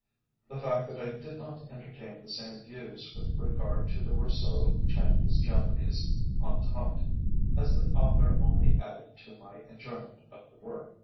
The fact that I did not entertain the same views with regard to the Russo Chinese Japanese entente as the author only added to my enjoyment of the work.